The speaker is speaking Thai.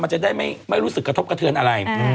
จะได้ไม่รู้สึกกระทบกระเทือนอะไร